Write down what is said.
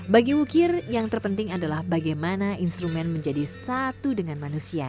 bagi wukir yang terpenting adalah bagaimana instrumen menjadi satu dengan manusia